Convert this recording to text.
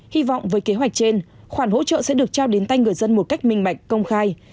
hy vọng với kế hoạch trên khoản hỗ trợ sẽ được trao đến tay người dân một cách minh mạch công khai